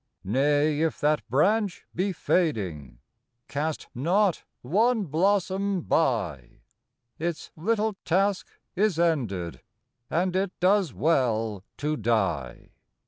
Nay, if that branch be fading, Cast not one blossom by, Its little task is ended And it does well to die.